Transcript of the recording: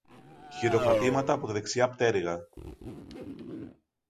Χειροκροτήματα από τη δεξιά πτέρυγα